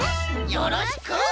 よろしく！